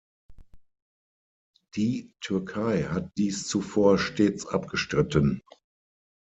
Die Türkei hatte dies zuvor stets abgestritten.